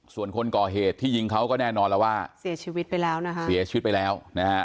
ส่วนคนก่อเหตุที่ยิงเขาก็แน่นอนแล้วว่าเสียชีวิตไปแล้วนะคะเสียชีวิตไปแล้วนะฮะ